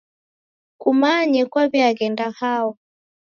Kumanye kwaw'iaghenda hao?